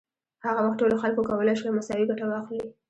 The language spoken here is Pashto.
هغه وخت ټولو خلکو کولای شوای مساوي ګټه واخلي.